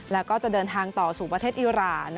แล้วก็จะเดินทางต่อสู่ประเทศอิราณ